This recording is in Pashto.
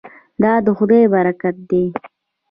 دا د خدای برکت دی.